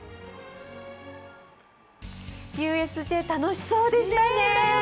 ＵＳＪ、楽しそうでしたね